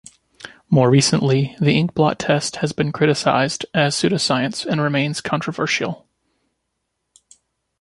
More recently, the inkblot test has been criticised as pseudoscience and remains controversial.